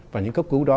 và những cấp cứu đó